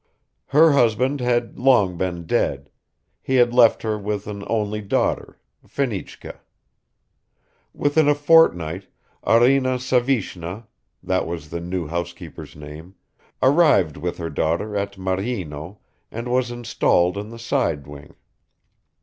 Her husband had long been dead; he had left her with an only daughter, Fenichka. Within a fortnight Arina Savishna (that was the new housekeeper's name) arrived with her daughter at Maryino and was installed in the side wing.